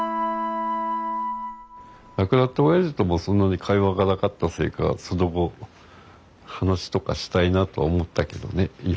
亡くなった親父ともそんなに会話がなかったせいかその後話とかしたいなとは思ったけどねいろいろ。